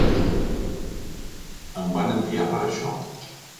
Em van enviar per això.